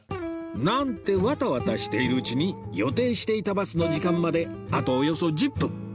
なんてわたわたしているうちに予定していたバスの時間まであとおよそ１０分